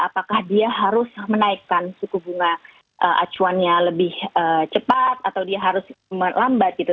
apakah dia harus menaikkan suku bunga acuannya lebih cepat atau dia harus melambat gitu